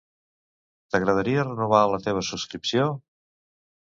T'agradaria renovar la teva subscripció?